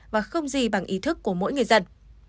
và không gì bằng ý thức của mỗi người dân